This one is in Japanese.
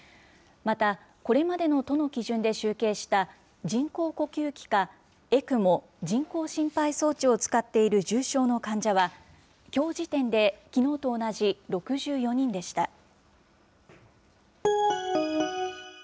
また、これまでの都の基準で集計した人工呼吸器か、ＥＣＭＯ・人工心肺装置を使っている重症の患者は、きょう時点できのうと同じ６４人でした。